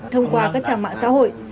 thông qua các trang mạng xã hội